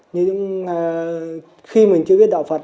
nhưng khi mình chưa biết đạo phật